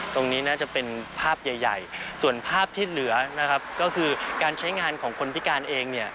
ตรงนี้น่าจะเป็นภาพใหญ่ส่วนภาพที่เหลือนะครับก็คือการใช้งานของคนพิการเองเนี่ย